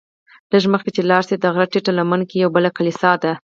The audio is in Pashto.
لږ مخکې چې لاړ شې د غره ټیټه لمنه کې یوه بله کلیسا ده.